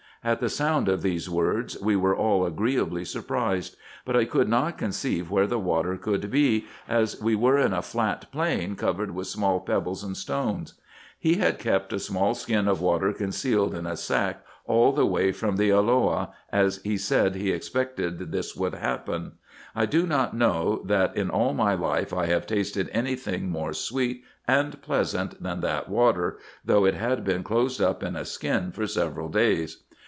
At the sound of these words, we were all agreeably surprised ; but I could not conceive where the water could be, as we were in a flat plain, covered with small pebbles and stones. He had kept a small skin of water concealed in a sack all the way from the Elloah, as he said he expected this would happen. I do not know that in all my life I have tasted any thing more sweet and pleasant than that water, though it had been closed up in a skin for several days.